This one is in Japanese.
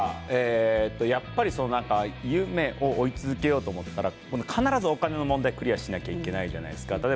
やっぱり夢を追い続けようと思ったら必ずお金の問題をクリアしなきゃいけないじゃないですか。